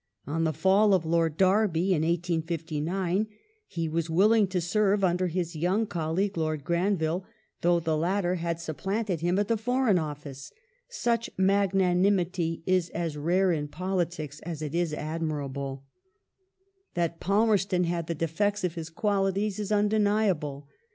On the fall of Lord Derby in 1859 he was willing to serve under his young colleague, Lord Granville, though the latter h«^d supplanted him 336 THE RULE OF LORD PALMERSTON [1860 65] at the Foreign Office. Such magnanimity is as rare in politics as it is admirable. That Palmei ston had the defects of his qualities is undeniable.